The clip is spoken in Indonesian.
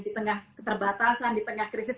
di tengah keterbatasan di tengah krisis